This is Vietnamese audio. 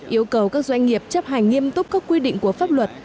yêu cầu các doanh nghiệp chấp hành nghiêm túc các quy định của pháp luật